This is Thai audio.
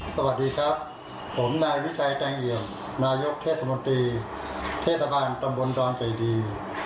สวัสดีครับผมนายวิชัยแตงเอียมนายค์เทศบนตรีเทศภายละครอบครัวดอนไก่ดี